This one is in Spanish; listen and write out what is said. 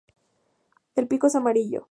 El pico es amarillo.